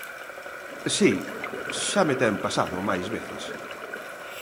Si..., xa me ten pasado máis veces.